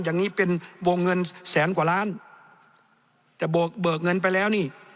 อย่างนี้เป็นวงเงินแสนกว่าล้านแต่เบิกเบิกเงินไปแล้วนี่